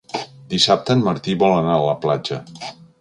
Dissabte en Martí vol anar a la platja.